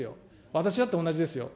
私だって同じですよ。